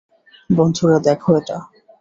বন্ধুরা, দেখো এটা!